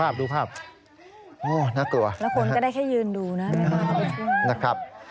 น่ากลัวนะครับนะครับโอ้โฮน่ากลัวแล้วคนก็ได้แค่ยืนดูนะ